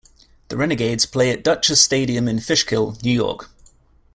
The Renegades play at Dutchess Stadium in Fishkill, New York.